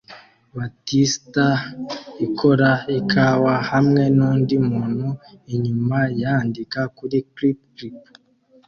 Batista ikora ikawa hamwe nundi muntu inyuma yandika kuri clip clip